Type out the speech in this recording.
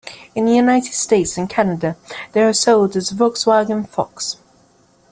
In the United States and Canada, they were sold as the Volkswagen Fox.